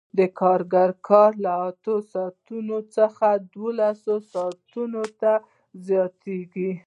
د کارګر کار له اتو ساعتونو څخه دولسو ساعتونو ته زیاتېږي